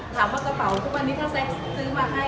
กระเป๋าทุกวันนี้ถ้าแซ็กซื้อมาให้